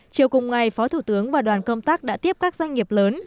chiều cùng ngày phó thủ tướng và đoàn công tác đã tiếp các doanh nghiệp lớn